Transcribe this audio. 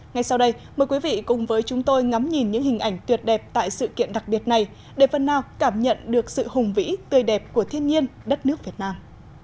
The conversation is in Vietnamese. ngay sau đây mời quý vị cùng với chúng tôi ngắm nhìn những hình ảnh tuyệt đẹp tại sự kiện đặc biệt này để phần nào cảm nhận được sự hùng vĩ tươi đẹp của thiên nhiên đất nước việt nam